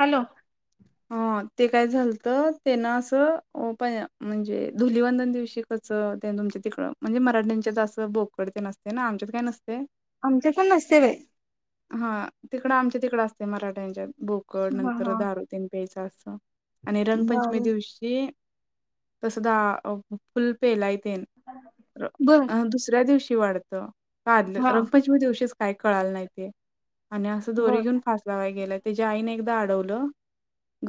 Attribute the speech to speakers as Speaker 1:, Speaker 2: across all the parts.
Speaker 1: Hello
Speaker 2: ह ते काय झालत ते ना असं ओपय म्हणजे धुलवंदन दिवशी क त ते तुमच्या तिकड म्हणजे मराठी्यांच्या असं बोकड ते असते ना आमच्यात काही नसते
Speaker 1: आमचे पण नसते वय
Speaker 2: हा तिकडं आमच्या तिकडं असते मराठ्यांच्या बोकड
Speaker 1: हा
Speaker 2: नंतर
Speaker 1: हा
Speaker 2: दारु तेन प्याच अस आणि
Speaker 1: बर
Speaker 2: रंगपंचमी दिवशी तस दा अव फुल पेला य ते र
Speaker 1: बर
Speaker 2: अ दुसऱ्या दिवशी की वाढत का तर आ
Speaker 1: हा
Speaker 2: रंगपंचमी दिवशीच काही कळाल नाही ते आणि असं दोरी
Speaker 1: बर
Speaker 2: घेऊन फासलावाय गेलं त्याच्या आईने एकदा अडवलं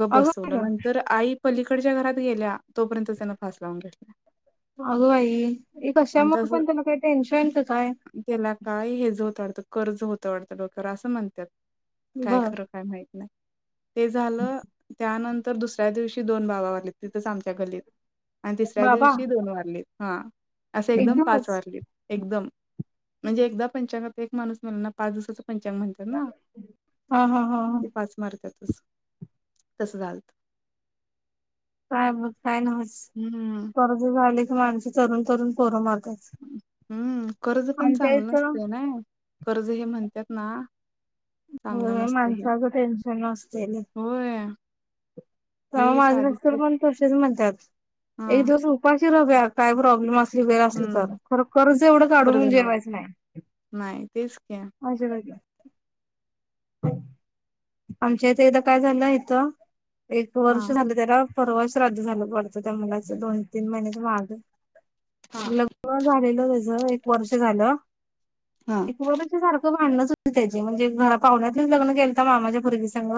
Speaker 2: ग
Speaker 1: अगं बाई
Speaker 2: बसवलं
Speaker 1: गं,
Speaker 2: नंतर आई पलीकडच्या घरात गेल्या तोपर्यंत त्यांना फास लावून घेतला
Speaker 1: अगं आई हे
Speaker 2: आणि
Speaker 1: कशामुळे
Speaker 2: तस
Speaker 1: पण त्यांना काही टेन्शनत क काय
Speaker 2: त कर्ज होतं वाटतं डोक्यावर अस म्हणत्यात काय
Speaker 1: बर
Speaker 2: खरं काय माहित नाही ते झालं त्यानंतर दुसऱ्या दिवशी दोन बाबावारलीत तिथंच आमच्या गल्लीत आणि तिसऱ्या
Speaker 1: बाबा
Speaker 2: दिवशी दोन वारलीत हा असे एकदम पाच
Speaker 1: एकदमच
Speaker 2: वारलीत एकदम म्हणजे एकदा पंचांगात एक माणूस मेला ना पाच दिवसाच पंचग म्हणतात ना
Speaker 1: हा हा हा हा.
Speaker 2: ती पाच मारत्यात तस तसं झालत
Speaker 1: काय म काय नवच
Speaker 2: हम्म
Speaker 1: कर्ज झाली की माणसं तरुण तरुण पोरं मार
Speaker 2: हम्म कर्ज पण चांगलं
Speaker 1: इथं
Speaker 2: नसते नाय कर्ज हे म्हणत्यात ना चांगलं
Speaker 1: होय
Speaker 2: नसतय हे
Speaker 1: माणसाचं टेन्शन
Speaker 2: होय
Speaker 1: त्या
Speaker 2: हे
Speaker 1: माझ्यार
Speaker 2: साधीचे
Speaker 1: पण तसेच म्हणत्यात
Speaker 2: हा
Speaker 1: एक दिवस उपाशी राहूया काय प्रॉब्लेम अस ती वेळ असली तर
Speaker 2: हम्म
Speaker 1: खर कर्ज एवढं
Speaker 2: कर्ज
Speaker 1: काढून जेवायचं
Speaker 2: नव्हत
Speaker 1: नाही
Speaker 2: नाही तेच की
Speaker 1: हा जेवायला या आमच्या इथेथ काय झालं इथं एक
Speaker 2: हा
Speaker 1: वर्ष झालं त्याला परवा श्राध्द झालं वाट त्या मुलाच दोन तीन महिन्याचा माग
Speaker 2: हा
Speaker 1: लग्न झालेल झा व एक वर्ष झालं
Speaker 2: हा
Speaker 1: ‌ एक वर्ष सारखं भांडणच यु त्याची म्हणजे घरा पाहुण्यातलेच लग्न केल त माझ्या पुरगी संघ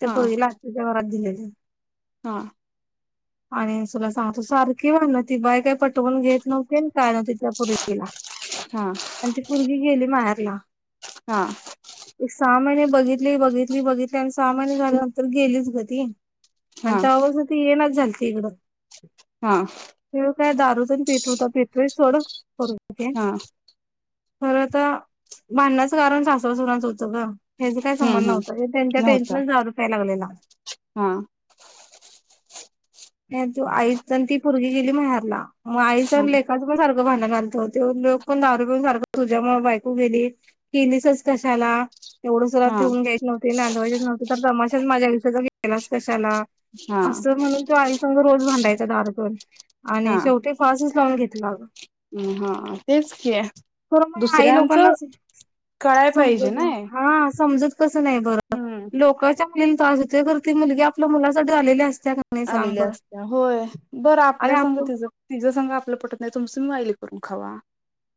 Speaker 1: ते
Speaker 2: हा
Speaker 1: पुरगीला आतीच्या घरात दिलेले
Speaker 2: हा
Speaker 1: आणि तुला सांग तू सारखी म्हणती ती बाय काही पटवून घेत नव्हती अ कालवती त्या पुरगीला
Speaker 2: हा
Speaker 1: आणि ती पुर्गी गेली माहेरला
Speaker 2: हा
Speaker 1: एक सहा महिने बघितली बघितली बघितली आणि सहा महिने झाल्यानंतर गेलीच ग ती आणि
Speaker 2: हा
Speaker 1: त्यापासन ती येना झालती इकडं
Speaker 2: हा
Speaker 1: तेव काय दारू तेन पित होता पितोय सोडं करून
Speaker 2: हा
Speaker 1: खरं तर भाडण्याचं कारण सासव सुणांच होतं ग हे कही
Speaker 2: हम्म
Speaker 1: संबद न
Speaker 2: हम्म
Speaker 1: त्यांच्या
Speaker 2: नव्हता
Speaker 1: टेनशन दरू प्यायला लागलेला
Speaker 2: हा
Speaker 1: त्या चु आईच ती पोरगी गेली माहेरला मग आईचा
Speaker 2: हा
Speaker 1: लेकाचा पण सारख तो भांडणर तो तेव्ह लोक पण दारू पिऊन सारखं तुझ्यामुळे बायकू गेली की केलीस कशाला एवढं सुद्धा
Speaker 2: हा
Speaker 1: ठेवून घ्याची व्हती नांदव्हायचं नव्हत तर तमाशा माझ्या आयुष्याचा केला च कशाला
Speaker 2: हा
Speaker 1: त्याला अस म्हणून तो आई संग रोज भांडायचा दारु पिऊन आणि शेवटी फास च लावून घेतला
Speaker 2: म हा तेच कि
Speaker 1: खरं मग आई
Speaker 2: दुसऱ्यांचं
Speaker 1: लोकांनाच
Speaker 2: कळाय पाहिजे
Speaker 1: समजत
Speaker 2: नाय
Speaker 1: हा समजत कस नाही बर
Speaker 2: हम्म
Speaker 1: लोकाच्या मुलीला त्रास देतोय ती मुलगी आपल्या मुलासाठी आलेली असत्या का नाही सांग
Speaker 2: आलेल्या
Speaker 1: बरं
Speaker 2: असत्या होय बरं
Speaker 1: आणि
Speaker 2: आपल्या सांग
Speaker 1: आपण
Speaker 2: ति तिझं सांग आपलं पटत नाही तुमच तुम्ही माया लेकरं करून खावा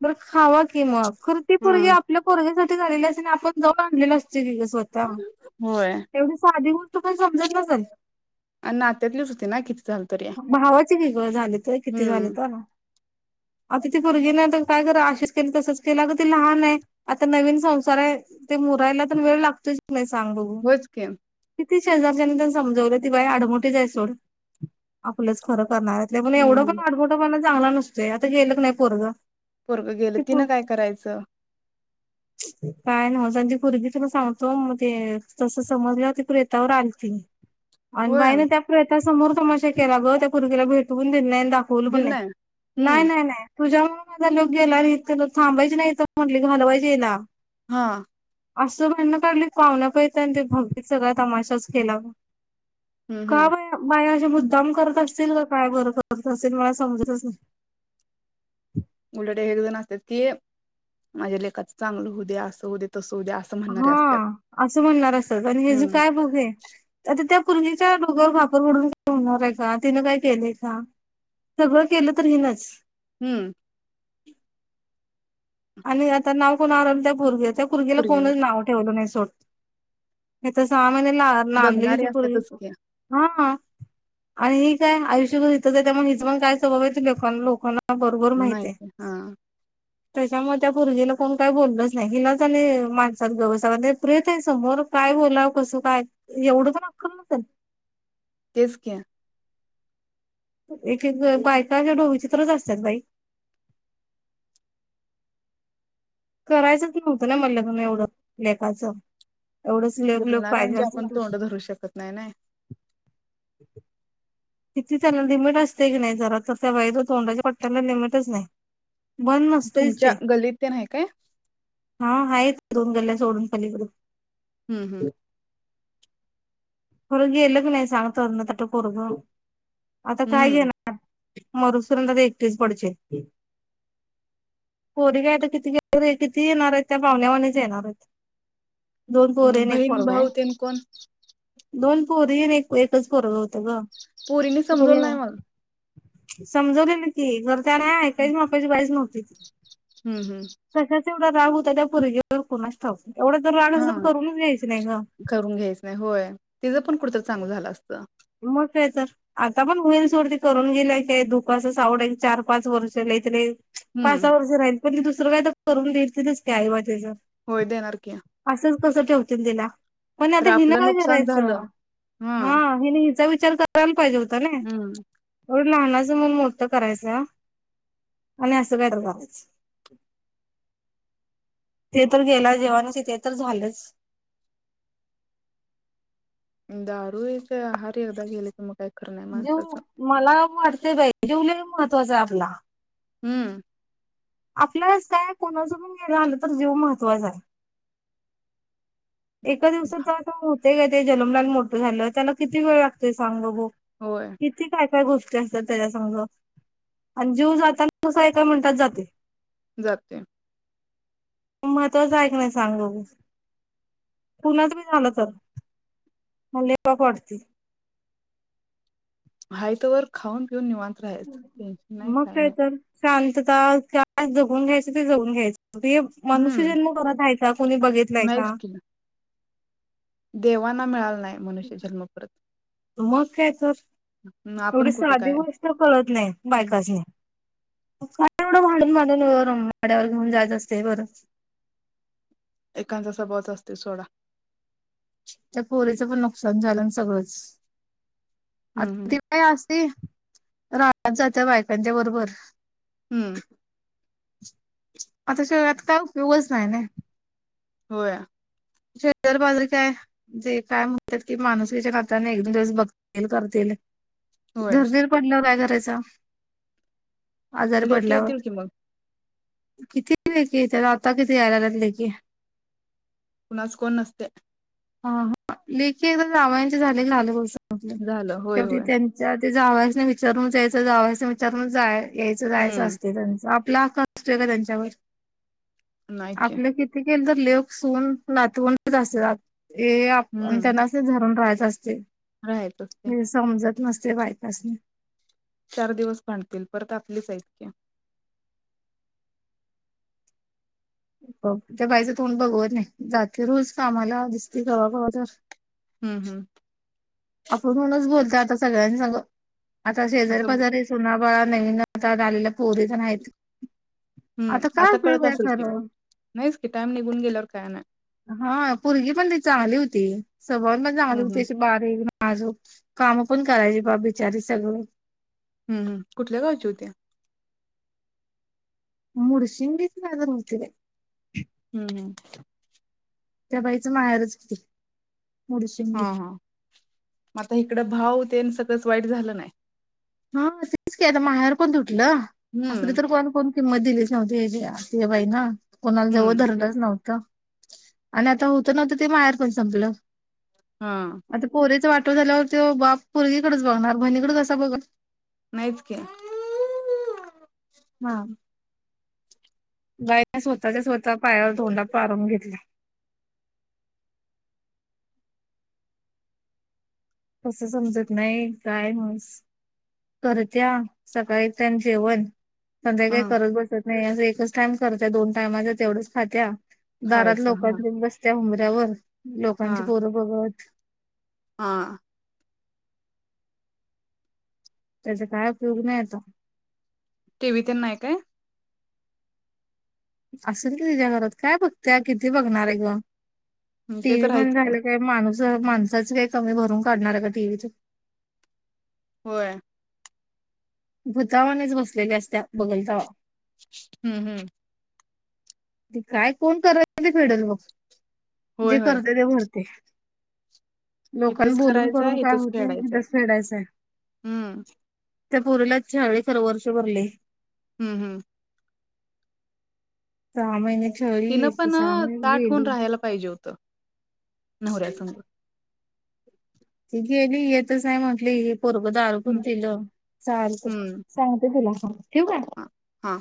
Speaker 1: बर खावा की मग खर ती पोरगे
Speaker 2: हम्म
Speaker 1: आपल्या पोरग्यासाठीठी झालेली अस आपण जाऊ आणलेल असत लिवलेले स्वतः
Speaker 2: होय
Speaker 1: तेवढी साधी गोष्ट पण समजत नसल
Speaker 2: आणि नात्यातलीच होती ना किती झालं तरी
Speaker 1: भावाची की ग झाले तय किती झाली
Speaker 2: हम्म
Speaker 1: तर ती पुरगी काय कर अशीच केली तसच केला ग त लहान आहे आता नवीन संसार आहे ते मुरायला तर वेळ लागतोच का न्हाई सांग बघू
Speaker 2: होयच की
Speaker 1: किती शेजारच्यानी त्या समजवलं तेि बाय आडमोटे हाय सोड आपलंच खरं करणारत म्हण
Speaker 2: हम्म
Speaker 1: एवढं
Speaker 2: हम्म
Speaker 1: पण आडबोटं पण चांगला नसतोय आता गेलं नाही पोरग
Speaker 2: पोरग गेलं
Speaker 1: ते
Speaker 2: तिनं काय करायचं
Speaker 1: काय नव्हच ती पुरगी तुला सांगतो मग ते तसं समजली होती प्रेतावर आलती आणि
Speaker 2: होय
Speaker 1: बाईने त्या प्रयत्समोर तमाशा केला ग त्या पुरगीला भेटवून पण दिल नाही दाखवल
Speaker 2: दिल
Speaker 1: पण
Speaker 2: नाही
Speaker 1: नाही
Speaker 2: हम्म
Speaker 1: नाही नाही तुझ्या माझा लोक गेल्या र तर थांबायचे नाही म्हटली घालवायच हिला
Speaker 2: हा
Speaker 1: असं भांडण काढली पाहुन्या पियाचा भावकीत सगळा तमाशाच केला
Speaker 2: हम्म
Speaker 1: का
Speaker 2: हम्म
Speaker 1: बा मायाच्या मुद्द काम करत असतील का काय बरं करत असेल मला समजतच नाही
Speaker 2: उलट एक जण असतेात ती माझ्या लेखाच चांगलं हो दे असं हो तस
Speaker 1: हा असं म्हणणार अस आणि ह
Speaker 2: हम्म
Speaker 1: काय बघ आहे आता त्या पुरगीच्या डोक्या वर खापर फोडून होणार आहे का तिनं काय केलंय का सगळं केलं तर हीन च
Speaker 2: हूं
Speaker 1: [inaudible] आणि आता नाव कोण [unintelligible] त्या पुरगीला
Speaker 2: पोरगीवर
Speaker 1: कोणच नाव ठेवलं नाय सोड हेच्या सहा महिने ला नांद लेली
Speaker 2: बघणारे
Speaker 1: ती पुरगी
Speaker 2: असतातच की
Speaker 1: हा आणि ही काय आयुष्यभर हिथंच आहे हिचं पण काय स्वभाव हाय ते लोकांना
Speaker 2: माहितये हा
Speaker 1: त्याच्यामुळं त्या पुरगीला कोण काय बोललच नाय हिलाचं आणि माणसात गब बसाम्हणतात प्रेत हाय समोर काय? काय बोलाव कस काय एवढी पण अक्कल नसलं.
Speaker 2: तेच की
Speaker 1: एक एक बायका [unintelligible] विचित्रच असत्यात बाई करायचंच नव्हतं ना म लग्न एवढं लेकाच एवढंच लेक लेक पाहिजे
Speaker 2: बोलणाऱ्यांची
Speaker 1: असल
Speaker 2: आपण
Speaker 1: त
Speaker 2: तोंड धरू शकत नाही नाही
Speaker 1: [inaudible] किती त्यांला लिमिट असतय की नाय जरा तर त्या बाईच्या तोंडाच्या पट्ट्यांना लिमिटच नाही. बंद नसतयच ते,
Speaker 2: तुमच्या गल्लीत तेन आहे काय
Speaker 1: हा हाय दोन गल्या सोडून पलीकड
Speaker 2: हम्म हम्म
Speaker 1: खर गेलं कनय सांग त ते नं पोरग आता काय
Speaker 2: हम्म
Speaker 1: घेण मरूस पर्यंत काय एकटीच पडशील. पोरी काय आता कितीे किती येणार आहेत त्या पाहुण्यावाणीच येणार आहेत. दोन पोरी
Speaker 2: हम्म,
Speaker 1: एक
Speaker 2: बहीण
Speaker 1: पोरग हाय.
Speaker 2: भाऊ तेन कोण
Speaker 1: दोन पोरी एक एकच पोरग होतं ग
Speaker 2: पोरीनी समजवलं नाही मग
Speaker 1: पोरी समजवलेली की ती घरच्या
Speaker 2: हम्म
Speaker 1: ऐकायची मापाची बाईचं नव्हती ती
Speaker 2: हम्म
Speaker 1: कशाचा एवढा राग होता त्या पोरगीवर कोणास ठाऊक? एवढं तर राग अस
Speaker 2: हा
Speaker 1: तर करूनच घ्यायच नाय ग
Speaker 2: काय तेज पण कुठ तर चांगल झालं असत.
Speaker 1: तेतर आता पण होईल सोड ती करून गेल्याय काय दुख असं सावड चार पाच वर्ष लय तिले
Speaker 2: हम्म
Speaker 1: पाचसहा वर्ष राहील पण त दुसरं काय तर करून देतीलच की आईबा तीच
Speaker 2: होय देणार की
Speaker 1: कसं ठेवतील तिला
Speaker 2: खर आपलं नु
Speaker 1: करायाचा हं हिनी हिचा विचार करायला पाहिजे होता नाय
Speaker 2: हम्म
Speaker 1: लहनाचं मग मोठ करायचा आणि अस [unintelligible] लावायच ते तर गेला जीवानीसी ते तर झालंच
Speaker 2: दारू एक आहारी एकदा गेले की मग काय खरं नाही
Speaker 1: जे
Speaker 2: माणसाचं
Speaker 1: मला वाटतय बाय जेव महत्वाचचा आहे आपला
Speaker 2: हूं
Speaker 1: आपल्याच काय कोणाच पण घेला आलं तर जीव महत्त्वाचा हाय. एका दिवसा तर असता होतय काय ते जलमल आणि मोठं झालं त्याला किती वेळ लागतोय सांग बघू
Speaker 2: होय
Speaker 1: कितीे काय काय गोष्टी असतात त्याच्या संग आणि जीव जाताना कसा एका मिनटात जातय.
Speaker 2: जातय.
Speaker 1: महत्त्वाचं हाय क नाय सांग बघू कुणाच बी झालं तर म पाक वाटती.
Speaker 2: हाय तवर खाऊन पिऊन निवांत रायच टेन्शन नाय
Speaker 1: मग
Speaker 2: काय नाय.
Speaker 1: तर शांतता का जगून घ्यायच ते जगून घ्यायचं. हे मनुष्य
Speaker 2: हम्म
Speaker 1: जन्म परत हाय का? कोणी बघितलाय का?
Speaker 2: देवांना मिळाला नाय मनुष्य जन्मपरत
Speaker 1: मग एवढी साधी
Speaker 2: काय
Speaker 1: गोष्ट कत नाही
Speaker 2: हं.
Speaker 1: बायका एवढं वाडून मडून व वाड्यावर घेऊन जायचं असते बरं
Speaker 2: एां जस बत असतील सोडा
Speaker 1: त्या पोरीचं पण नुकसान झालं ना सगळंच
Speaker 2: हम्म
Speaker 1: आता
Speaker 2: हम्म
Speaker 1: ते काय अस राात जात बायकांच्या बरोबर
Speaker 2: हम्म
Speaker 1: आताश आता काय गुगल्स नाही ना
Speaker 2: हो
Speaker 1: शेजर बाजारी काय जे काय म्हणतात की माणूस याच्या नात्याने एक दोन दिवस बघतील करतील
Speaker 2: होय
Speaker 1: धरणीर पडलं काय करायच
Speaker 2: लेखे येतील कि मग
Speaker 1: कितीे कि त्याला आता किथे यायला लाले की
Speaker 2: आज कोण नसते
Speaker 1: हा हा लेखी एक जामायांचे झाले आलं ब
Speaker 2: झालं होय
Speaker 1: म्हटलंी
Speaker 2: होय
Speaker 1: त्यांच्यात ते जावस नाही विचारूनच यायचं जावस विचारूनच जा यायचं जायचं
Speaker 2: हम्म
Speaker 1: असते त्यांच लाका असतोय का त्यांच्यावर
Speaker 2: नाही की
Speaker 1: आपलं किती ल तर लेख सून नातवूनात आप
Speaker 2: हम्म
Speaker 1: त्यांना अस झरून राहाय
Speaker 2: राहायचंच ते
Speaker 1: हे समजत नसते बायपासने
Speaker 2: चार दिवस भांडतील परत आपलीच ऐतक्य
Speaker 1: हो ते पाहिज तण बघवत नाही जाते रूज कामला दिसते खवाखवा्हा तर
Speaker 2: हम्म हम्म
Speaker 1: आपण म्हणच बोलतो आता सगळ्यांनी सांग आता शेजारी पजारी असो ना नवीन आता आलेला पोरी तर आहेत
Speaker 2: हम्म
Speaker 1: काय
Speaker 2: आता कळत
Speaker 1: उपयोग आहे
Speaker 2: असेल की
Speaker 1: खरं
Speaker 2: नाहीच कि टाइम निघून गेल्यावर काय नाही
Speaker 1: हा पोरगी पण ते चांगली होती, स्वभाव पण चांगली
Speaker 2: हम्म
Speaker 1: होती
Speaker 2: हम्म
Speaker 1: अशी बारी नाजूक काम पण करायची बा बिचारी सगळं
Speaker 2: हम्म हम् कुठल्या गावची होती
Speaker 1: मुडशिंगी ची कायतर होती बघ
Speaker 2: हम्म हम्म
Speaker 1: त्या बाईचं माहेरच किती
Speaker 2: हा हा, मग आता इकडं भाव ते सगळंच वाईट झालं नाही
Speaker 1: हा तेच की आता माहेरपण तुटलं, असल
Speaker 2: हम्म
Speaker 1: तर कोण कोणाचं किंमत दिलीच नव्हती ह्या बाईला कोणाला जवळ
Speaker 2: हम्म
Speaker 1: धरलंच नव्हतं. आणि आता होत नव्हतं ते माहेर पण संपलं
Speaker 2: हा
Speaker 1: आता पोरीच वाट वाटोळं झाल्यावर ते बाप पोरगीकडेच बघणार बहिणीकडे कसा बघेल
Speaker 2: नाहीच की
Speaker 1: हां बाई स्वतःच्या स्वतः पायावर थोंडा पाडून घेतात. [unintelligible] कसं समजत नाही काय नव्हच करत्या सकाळी त्यांना जेवण संध्याकाळी
Speaker 2: हा
Speaker 1: करत बसत नाही असं एकच टाइम करते, दोन टाइमाचा तेवढंच खात्या दारात
Speaker 2: खायचं हा
Speaker 1: लोकांच्यात बसत्या. वर लोकांचे
Speaker 2: हा
Speaker 1: पोरं बघत
Speaker 2: हा
Speaker 1: त्याचा काय उपयोग नाही आता
Speaker 2: टीव्ही तीन नाय काय
Speaker 1: असेल की तिच्या घरात काय बघते किती बघणार आहे ग
Speaker 2: हम्म, ते
Speaker 1: टीव्ही
Speaker 2: तर आहेच
Speaker 1: बंद
Speaker 2: की
Speaker 1: झालं काय माणूस माणसाच काय कमी भरून काढणार आहे का टी व्ही
Speaker 2: होय
Speaker 1: भूतावानीं च बसलील्या या असत्या बगल तवा
Speaker 2: हम्म. हम्म..
Speaker 1: ते काय कोण करेल ते फेडल बघ मग
Speaker 2: होय
Speaker 1: जे
Speaker 2: होय
Speaker 1: करतय ते भरतय लोकांना
Speaker 2: इथंच
Speaker 1: बोलून करून
Speaker 2: करायचंय
Speaker 1: काय
Speaker 2: इथंच
Speaker 1: होतय
Speaker 2: फेडायचंय
Speaker 1: इथेच फेडायचंय
Speaker 2: हं,
Speaker 1: त्या पोरीला छळली खर वर्ष भर लय
Speaker 2: हम्म हम्म
Speaker 1: सहा महिने
Speaker 2: तिनं
Speaker 1: छळली
Speaker 2: पण
Speaker 1: सहा
Speaker 2: अ,
Speaker 1: महिन्यांनी
Speaker 2: ताठ होऊन
Speaker 1: गेली
Speaker 2: राहायला पाहिजे होतं नवऱ्यासंग.
Speaker 1: [inaudible] ती गेली येतच नाही म्हटली पोरग दारू
Speaker 2: हं,
Speaker 1: पण पिल, चालतय सांगते मग
Speaker 2: आ -हा